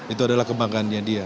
itu adalah kebanggaannya dia